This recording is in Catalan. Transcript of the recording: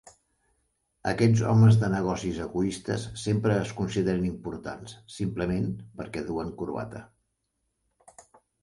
Aquests homes de negocis egoistes sempre es consideren importants, simplement perquè duen corbata.